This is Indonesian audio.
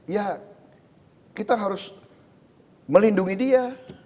ya kita harus melindungi dia